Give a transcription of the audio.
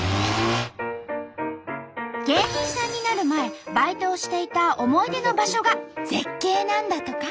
芸人さんになる前バイトをしていた思い出の場所が絶景なんだとか。